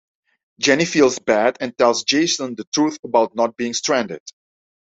Jenny feels bad and tells Jason the truth about not being stranded.